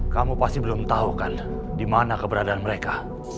kamu pasti belum tau kan dimana keberadaan mereka